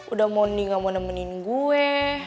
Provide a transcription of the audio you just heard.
udah moni gak mau nemenin gue